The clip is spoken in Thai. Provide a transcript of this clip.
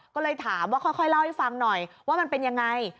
ก็เลยถามว่าค่อยเล่าให้ฟังหน่อยว่ามันเป็นยังไง